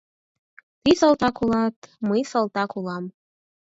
Тый салтак улат, мый салтак улам.